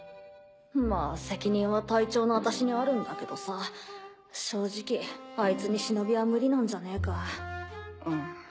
まあ責任は隊長の私にあるんだけどさ正直アイツに忍は無理なんじゃねえか。